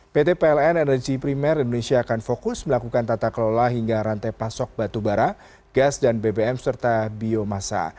pt pln energy primer indonesia akan fokus melakukan tata kelola hingga rantai pasok batubara gas dan bbm serta biomasa